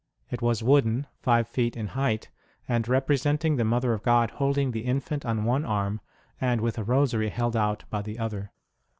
It was wooden, five feet in height, and representing the Mother of God holding the Infant on one arm and with a Rosary held out by the other.